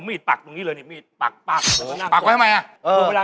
เวลากลางที่นี่นะ